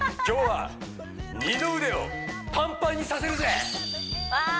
今日は二の腕をパンパンにさせるぜ！